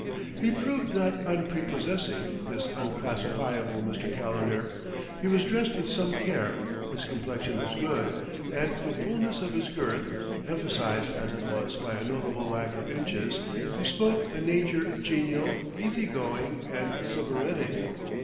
He proved not unprepossessing, this unclassifiable Mr. Calendar; he was dressed with some care, his complexion was good, and the fullness of his girth, emphasized as it was by a notable lack of inches, bespoke a nature genial, easy going and sybaritic.